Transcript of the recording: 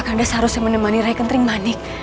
kakanda seharusnya menemani rai kentering manik